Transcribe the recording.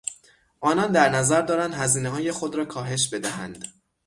آنان در نظر دارند هزینههای خود را کاهش بدهند.